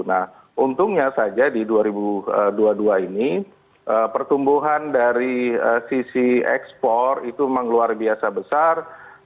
nah untungnya saja di dua ribu dua puluh dua ini pertumbuhan dari sisi ekspor itu memang luar biasa besar